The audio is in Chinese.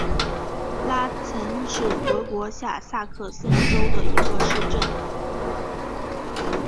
拉岑是德国下萨克森州的一个市镇。